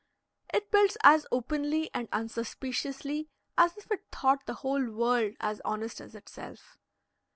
It builds as openly and unsuspiciously as if it thought the whole world as honest as itself.